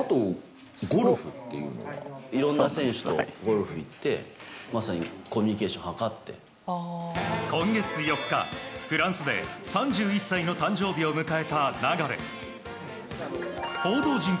いろんな選手とゴルフ行って、今月４日、フランスで３１歳の誕生日を迎えた流。